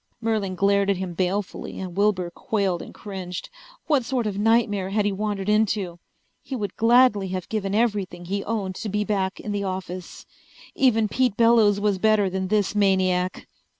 Merlin glared at him balefully and Wilbur quailed and cringed. What sort of nightmare had he wandered into? He would gladly have given everything he owned to be back in the office. Even Pete Bellows was better than this maniac!